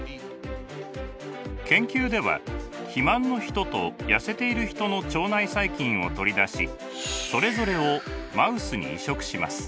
研究では肥満のヒトと痩せているヒトの腸内細菌を取り出しそれぞれをマウスに移植します。